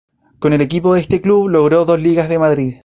Con el equipo de este club logró dos ligas de Madrid.